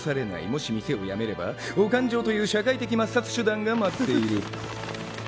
もし店をやめればお勘定という社会的抹殺手段が待っている。